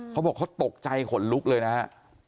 เขาบอกเขาตกใจขนลุกเลยนะฮะ